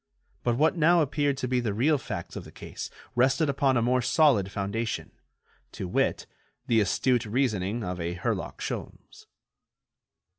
But what now appeared to be the real facts of the case rested upon a more solid foundation, to wit, the astute reasoning of a Herlock Sholmes.